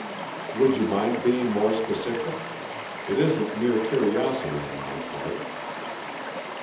"Would you mind being more specific? It isn't mere curiosity on my part."